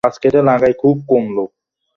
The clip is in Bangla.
আমরা কিফকে ওই ঘরে রাখতে পারি না।